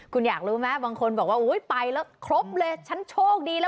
คุณอยากรู้ไหมบางคนบอกว่าอุ๊ยไปแล้วครบเลยฉันโชคดีเลย